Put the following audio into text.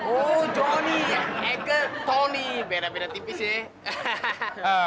oh jonny eike tony beda beda tipis ya